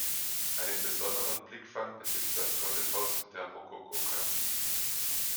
Einen besonderen Blickfang besitzt das Gotteshaus mit der Rokokokanzel.